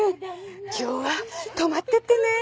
今日は泊まってってねー。